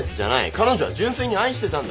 彼女は純粋に愛してたんだ。